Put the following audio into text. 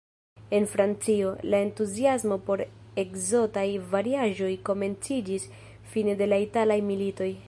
En Francio, la entuziasmo por la ekzotaj variaĵoj komenciĝis fine de la italaj militoj.